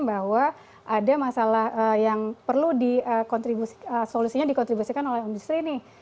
bahwa ada masalah yang perlu dikontribusikan oleh industri ini